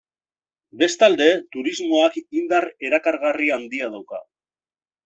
Bestalde, turismoak indar erakargarri handia dauka.